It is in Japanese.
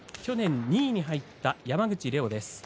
去年２位に入った山口怜央です。